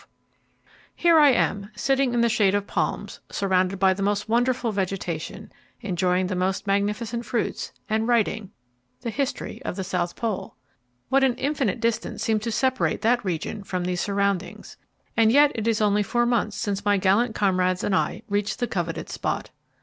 Here I am, sitting in the shade of palms, surrounded by the most wonderful vegetation, enjoying the most magnificent fruits, and writing the history of the South Pole. What an infinite distance seems to separate that region from these surroundings! And yet it is only four months since my gallant comrades and I reached the coveted spot.